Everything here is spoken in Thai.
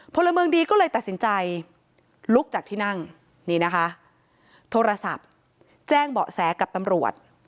พลเมืองดีก็เลยตัดสินใจลุกจากที่นั่งนี่นะคะโทรศัพท์แจ้งเบาะแสกับตำรวจ